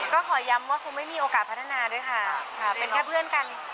ก็ขอย้ำว่าคงไม่มีโอกาสพัฒนาด้วยค่ะเป็นแค่เพื่อนกัน